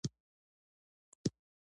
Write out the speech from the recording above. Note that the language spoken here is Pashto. آیا د القلي محلول برېښنا تیروي؟